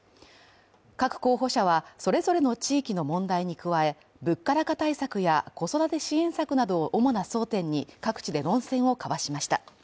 各候補者はそれぞれの地域の問題に加え物価高対策や子育て支援策などを主な争点に各地で論戦を交わしました。